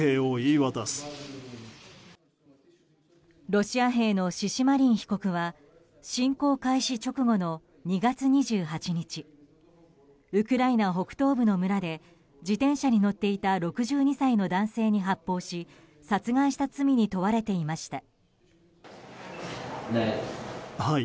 ロシア兵のシシマリン被告は侵攻開始直後の２月２８日ウクライナ北東部の村で自転車に乗っていた６２歳の男性に発砲し殺害した罪に問われていました。